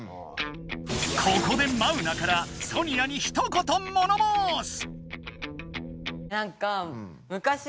ここでマウナからソニアにひとこと物申す⁉